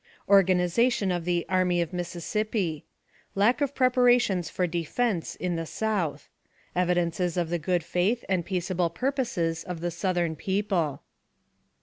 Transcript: Organization of the "Army of Mississippi." Lack of Preparations for Defense in the South. Evidences of the Good Faith and Peaceable Purposes of the Southern People.